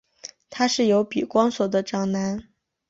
他是由比光索的长男。